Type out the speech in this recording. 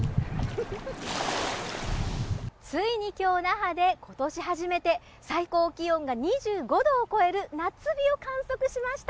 ついに今日、那覇で今年初めて最高気温が２５度を超える夏日を観測しました。